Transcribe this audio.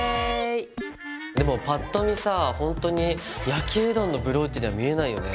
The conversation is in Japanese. でもぱっと見さほんとに焼きうどんのブローチには見えないよね。